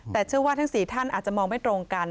แต่เชื่อว่าทั้ง๔ท่านอาจจะมองไม่ตรงกัน